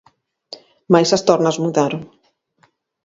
Mais as tornas mudaron.